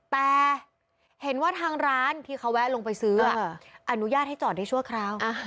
แต่เห็นว่าทางร้านที่เขาแวะลงไปซื้ออนุญาตให้จอดได้ชั่วคราว